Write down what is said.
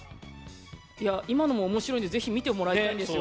いや今のも面白いんで是非見てもらいたいんですよ。